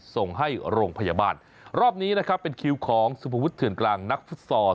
ส่งให้โรงพยาบาลรอบนี้นะครับเป็นคิวของสุภวุฒเถื่อนกลางนักฟุตซอล